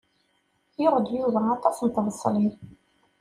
Yuɣ-d Yuba aṭas n tbeṣlin.